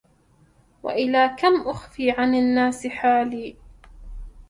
وإلى كم أخفي عن الناس حالي